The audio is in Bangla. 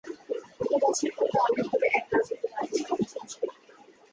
বহুবছর পূর্বে অনেকদূরে, এক রাজা তার রানীসহ বসবাস করতো।